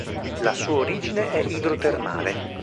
La sua origine è idrotermale.